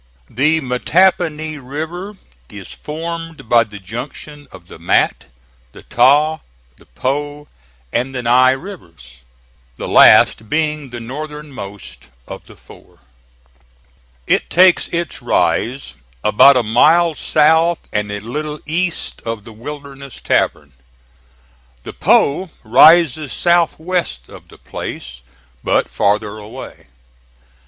The Mattapony River is formed by the junction of the Mat, the Ta, the Po and the Ny rivers, the last being the northernmost of the four. It takes its rise about a mile south and a little east of the Wilderness Tavern. The Po rises south west of the place, but farther away.